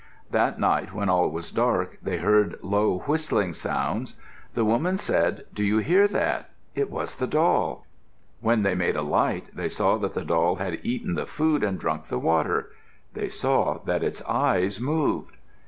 That night, when all was dark, they heard low whistling sounds. The woman said, "Do you hear that? It was the doll." When they made a light, they saw that the doll had eaten the food and drunk the water. They saw that its eyes moved.